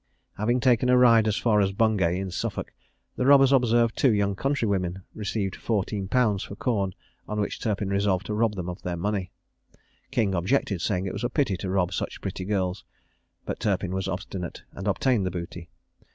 Having taken a ride as far as Bungay, in Suffolk, the robbers observed two young countrywomen receive fourteen pounds for corn, on which Turpin resolved to rob them of the money. King objected, saying it was a pity to rob such pretty girls: but Turpin was obstinate, and obtained the booty.